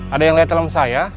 ada yang liat helm saya